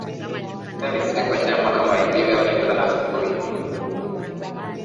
Leo ni siku njema kama ilivyo onekana asubuhi